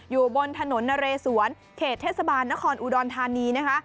อยู่บนถนนนะเรสวนเขตเทศบาลนครอุดรธานีนะคะ